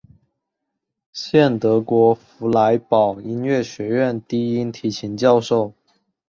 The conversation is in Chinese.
现德国弗莱堡音乐学院低音提琴教授。